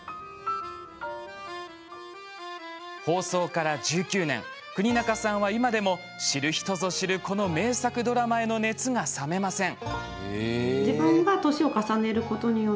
放送から１９年國中さんは、今でも知る人ぞ知る名作ドラマへの熱が冷めません。